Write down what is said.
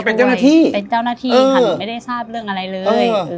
เป็นเจ้าหน้าที่เป็นเจ้าหน้าที่ค่ะหนูไม่ได้ทราบเรื่องอะไรเลย